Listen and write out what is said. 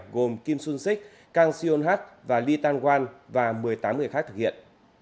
gồm kim xuân sích kang sion hát và ly tan quang và một mươi tám người khác thực hiện